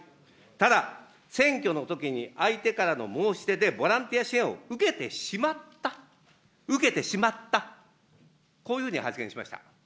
ただ選挙のときに相手からの申し出で、ボランティア支援を受けてしまった、受けてしまった、こういうふうに発言しました。